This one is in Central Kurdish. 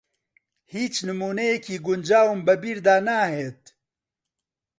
ھیچ نموونەیەکی گونجاوم بە بیردا ناھێت.